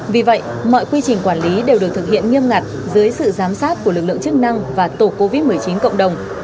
vì vậy mọi quy trình quản lý đều được thực hiện nghiêm ngặt dưới sự giám sát của lực lượng chức năng và tổ covid một mươi chín cộng đồng